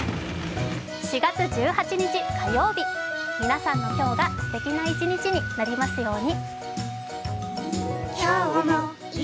４月１８日火曜日、皆さんの今日がすてきな一日になりますように。